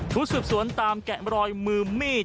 ทุศศวนตามแกะรอยมือมีด